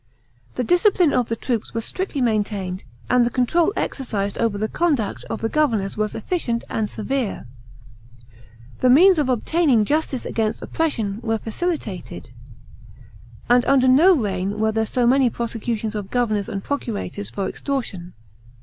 The discipline of the troops was strictly maintained, and the control exercised over the conduct of the governors was efficient and severe. The means of obtaining justice against oppression were facilitated, and under no reign were there so many prosecutions of governors and procurators for extortion.